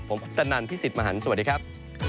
ผมคุปตะนันพี่สิทธิ์มหันฯสวัสดีครับ